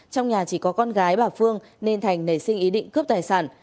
trong nhà chỉ có con gái bà phương nên thành nảy sinh ý định cướp tài sản